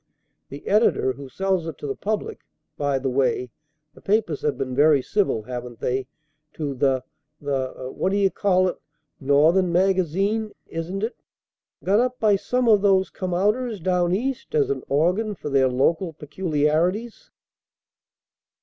The editor, who sells it to the public by the way, the papers have been very civil haven't they? to the the what d'ye call it? "Northern Magazine," isn't it? got up by some of these Come outers, down East, as an organ for their local peculiarities.